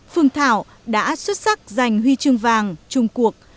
phương thảo đã xuất sắc giành huy chương vàng trung quốc